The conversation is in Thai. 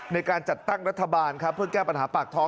ในการจัดตั้งรัฐบาลครับเพื่อแก้ปัญหาปากท้อง